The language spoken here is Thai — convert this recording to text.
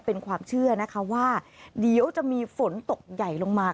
เป็นความเชื่อนะคะว่าเดี๋ยวจะมีฝนตกใหญ่ลงมา